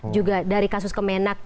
juga dari kasus kemenat